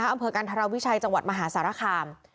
อำเผิดการทาราวิชัยจังหวัดมหาสารคาม